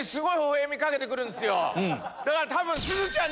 だから多分。